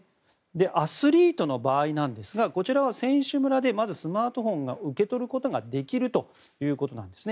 アスリートの場合なんですがこちらは選手村でまずスマートフォンを受け取ることができるということなんですね。